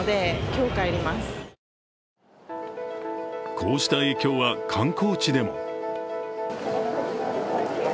こうした影響は、観光地でも。